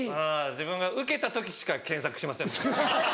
自分がウケた時しか検索しませんもん。